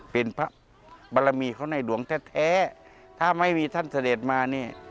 เป็นพระบรมีของในหลวงแท้ถ้าไม่มีท่านเสด็จมาเนี่ย